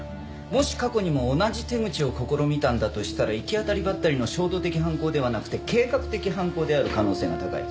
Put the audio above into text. もし過去にも同じ手口を試みたんだとしたら行き当たりばったりの衝動的犯行ではなくて計画的犯行である可能性が高い。